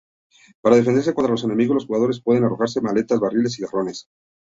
Para defenderse contra los enemigos, los jugadores pueden arrojar macetas, barriles y jarrones.